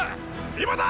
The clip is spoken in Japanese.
今だ！